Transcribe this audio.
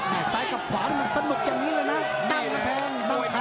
นี่อ่ะซ้ายกับขวานมันสนุกอย่างนี้เลยนะนั่งกระพงต้องพา